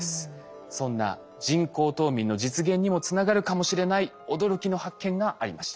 そんな人工冬眠の実現にもつながるかもしれない驚きの発見がありました。